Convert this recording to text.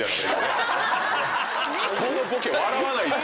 人のボケ笑わない。